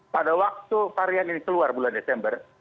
pada waktu varian ini keluar bulan desember